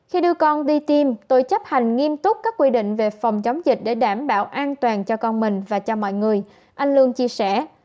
khi đưa con đi tiêm tôi chấp hành nghiêm túc các quy định về phòng chống dịch để đảm bảo an toàn cho con mình và cho mọi người anh lương chia sẻ